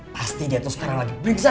pasti dia tuh sekarang lagi beringset tang